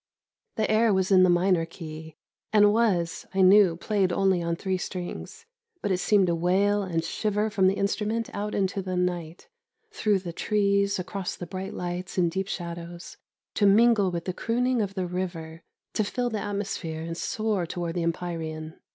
The air was in the minor key, and was, I knew, played only on three strings, but it seemed to wail and shiver from the instrument out into the night, through the trees, across the bright lights and deep shadows, to mingle with the crooning of the river, to fill the atmosphere and soar towards the empyrean.